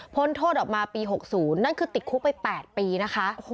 โทษออกมาปี๖๐นั่นคือติดคุกไป๘ปีนะคะ